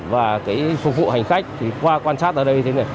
và phục vụ hành khách qua quan sát ở đây